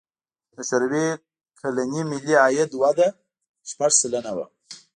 د شوروي کلني ملي عاید وده شپږ سلنه وه.